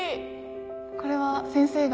これは先生が？